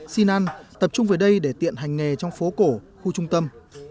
xin ăn tập trung về đây để tiện hành nghề trong phố cổ khu trung tâm